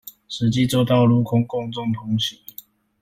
實際作道路供公眾通行